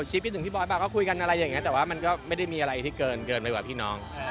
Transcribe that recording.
คิดไปถึงพี่บอสมาก็คุยกันอะไรอย่างนี้แต่ว่ามันก็ไม่ได้มีอะไรที่เกินไปกว่าพี่น้อง